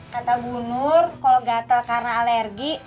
kata bu nur kalau gatel karena alergi